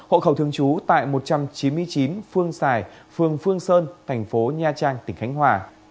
hộ khẩu thường trú tại một trăm chín mươi chín phương sài phường phương sơn thành phố nha trang tỉnh khánh hòa